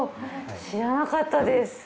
知らなかったです。